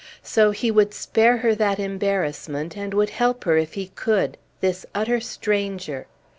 So he would spare her that embarrassment, and would help her if he could, this utter stranger!